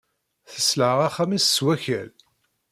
Tesleɣ axxam-is s wakal.